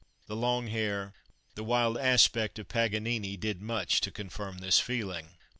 The long hair, the wild aspect of Paganini, did much to confirm this feeling.